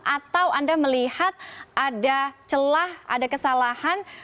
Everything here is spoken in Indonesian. atau anda melihat ada celah ada kesalahan